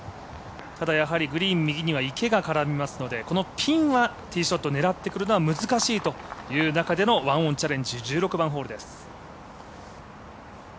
やはりグリーン右には池がからみますので、ティーは狙ってくるのは難しいという中での１オンチャレンジ１６番ホールです。